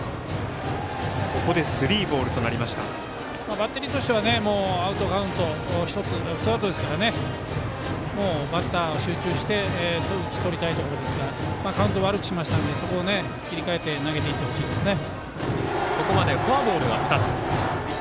バッテリーとしてはアウトカウント１つツーアウトですからねもうバッター集中して打ち取りたいところですがカウント悪くしましたのでそこを切り替えて投げていってほしいですね。